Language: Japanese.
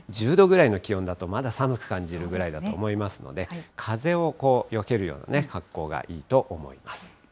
１０度ぐらいの気温だと、まだ寒く感じるぐらいだと思いますので、風をよけるような格好がいいと思います。